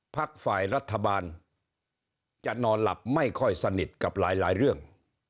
ฝ่ายรัฐบาลจะนอนหลับไม่ค่อยสนิทกับหลายเรื่อง